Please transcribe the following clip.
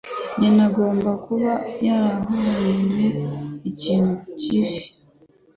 Nyina agomba kuba yarahumuye ikintu gifi.